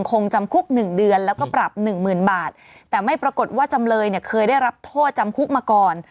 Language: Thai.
คงจำคุก๑เดือนแล้วก็ปรับ๑๐๐๐๐บาทแต่ไม่ปรากฏว่าจำเลยเคยได้รับโทษจำคุกมาก่อน